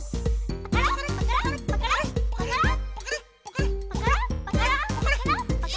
パカラッパカラッパカラッパカラッ。